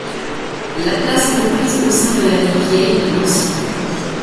La place est comprise au sein de la ville-vieille de Nancy.